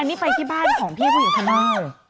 อันนี้ไปที่บ้านของพี่ผู้หญิงข้างนอก